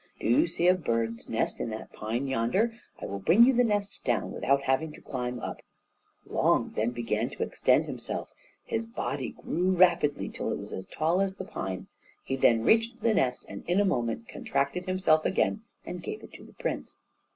Do you see a bird's nest in that pine yonder? I will bring you the nest down without having to climb up." Long then began to extend himself; his body grew rapidly till it was as tall as the pine; he then reached the nest, and in a moment contracted himself again and gave it to the prince.